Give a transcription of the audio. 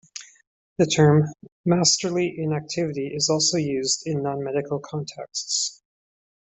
The term "masterly inactivity" is also used in nonmedical contexts.